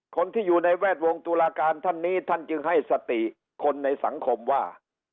คนที่อยู่ในแวดวงตุลาการท่านนี้ท่านจึงให้สติคนในสังคมว่า